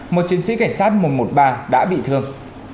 một chiến sĩ cảnh sát một trăm một mươi ba đã bị thương